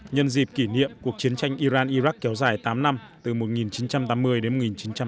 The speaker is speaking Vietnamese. nhân dịp kỷ niệm cuộc chiến tranh iran iraq kéo dài tám năm từ một nghìn chín trăm tám mươi đến một nghìn chín trăm tám mươi